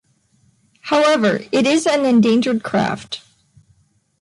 However, it is an endangered craft.